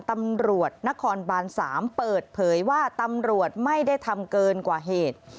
ตำรวจนครบาน๓เปิดเผยว่าตำรวจไม่ได้ทำเกินกว่าเหตุ